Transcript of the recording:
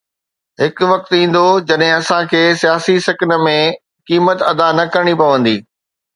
هڪ وقت ايندو جڏهن اسان کي سياسي سڪن ۾ قيمت ادا نه ڪرڻي پوندي.